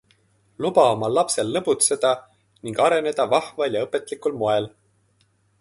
Luba oma lapsel lõbutseda ning areneda vahval ja õpetlikul moel!